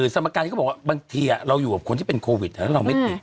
สมการที่เขาบอกว่าบางทีเราอยู่กับคนที่เป็นโควิดแล้วเราไม่ติด